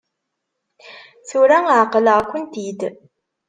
Tura εeqleɣ-kent-id.